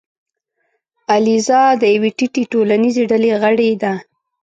الیزا د یوې ټیټې ټولنیزې ډلې غړې ده.